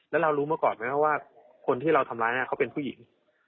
แล้วเรารู้มาก่อนไหมครับว่าคนที่เราทำร้ายเขาเป็นผู้หญิง